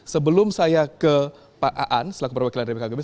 sebelum saya ke pak ars selaku perwakilan dari bkkbn